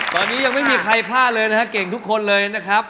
ตอนนี้ยังไม่มีใครพลาดเลยนะครับเก่งทุกคนเลยนะครับ